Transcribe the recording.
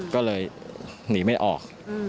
ก็เลยหนีไม่ออก